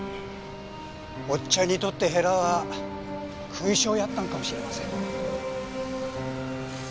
おっちゃんにとってへらは勲章やったのかもしれません。